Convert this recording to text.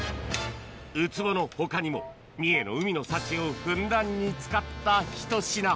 ウツボの他にも三重の海の幸をふんだんに使ったひと品